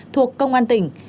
thuộc công an tỉnh